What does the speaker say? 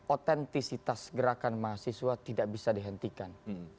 otentisitas gerakan mahasiswa tidak bisa dihentikan